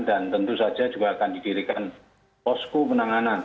dan tentu saja juga akan didirikan posku penanganan